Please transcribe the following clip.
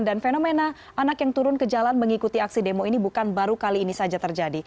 dan fenomena anak yang turun ke jalan mengikuti aksi demo ini bukan baru kali ini saja terjadi